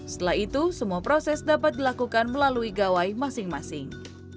setelah itu semua proses dapat dilakukan melalui gawai masing masing